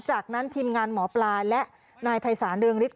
จากนั้นทีมงานหมอปลาและนายภัยศาลเรืองฤทธ